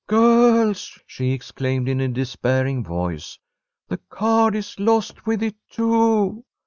"Girls!" she exclaimed, in a despairing voice, "the card is lost with it, too.